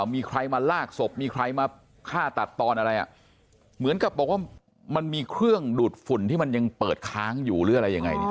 มีใครมาลากศพมีใครมาฆ่าตัดตอนอะไรอ่ะเหมือนกับบอกว่ามันมีเครื่องดูดฝุ่นที่มันยังเปิดค้างอยู่หรืออะไรยังไงเนี่ย